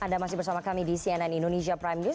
anda masih bersama kami di cnn indonesia prime news